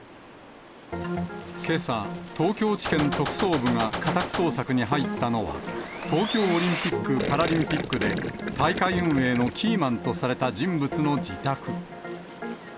けさ、東京地検特捜部が家宅捜索に入ったのは、東京オリンピック・パラリンピックで、大会運営のキーマンとされた人物の自宅。